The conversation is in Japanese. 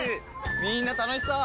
みんな楽しそう！